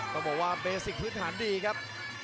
ต้องบอกว่าเบสิกพื้นฐานดีครับ